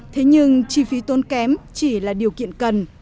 thế nhưng chi phí tốn kém chỉ là điều kiện cần